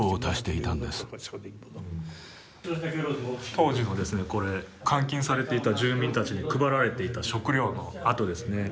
当時の監禁されていた住民たちに配られていた食料の跡ですね。